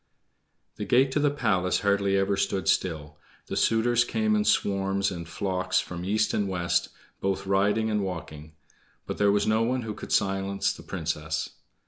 The gate to the palace hardly ever stood still. The suitors came in swarms and flocks from east and west, both riding and walking. But there was no one who could silence the Princess.